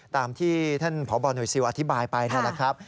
ตามที่ท่านพบหน่วยซิลอธิบายไปนี่แหละครับ